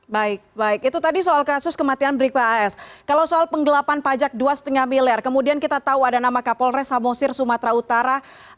baik baik itu tadi soal kasus kematian brigpa as kalau soal penggelapan pajak dua lima miliar kemudian kita tahu ada nama kapolres samosir sumatera utara